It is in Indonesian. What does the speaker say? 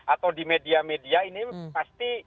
atau di media media ini pasti